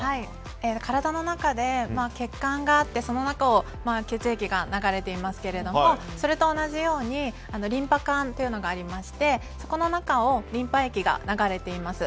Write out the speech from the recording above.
体の中で血管があってその中を血液が流れていますがそれと同じようにリンパ管というのがありましてその中をリンパ液が流れています。